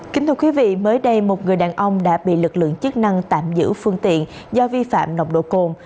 kính thưa quý vị mới đây một người đàn ông đã bị lực lượng chức năng tạm giữ phương tiện do vi phạm nồng độ cồn